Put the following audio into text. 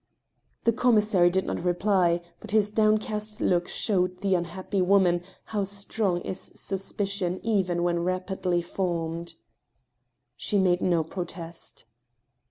" The commissary did not reply, but his downcast look showed the unhappy woman how strong is suspicion even when rapidly formed. She made no protest.